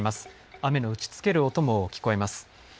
雨の打ちつける音も聞こえます。